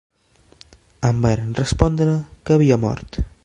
Em varen respondre que havia mort.